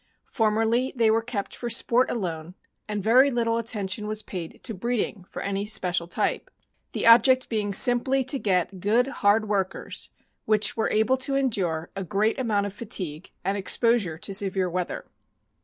Formerly they were kept for sport alone, and very little attention was paid to breeding for any special type, the object being sim ply to get good hard workers which were able to endure a great amount of fatigue and exposure to severe weather.